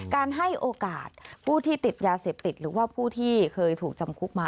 การให้โอกาสผู้ที่ติดยาเสพติดหรือว่าผู้ที่เคยถูกจำคุกมา